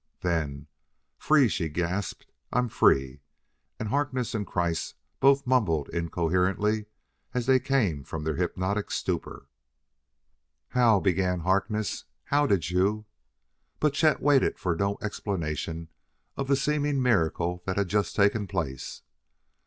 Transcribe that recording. Then: "Free!" she gasped. "I'm free!" And Harkness and Kreiss both mumbled incoherently as they came from their hypnotic stupor. "How " began Harkness, "how did you " But Chet waited for no explanation of the seeming miracle that had just taken place.